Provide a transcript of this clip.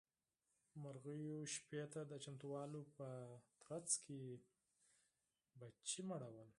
مرغيو شپې ته د چمتووالي په ترڅ کې بچي مړول.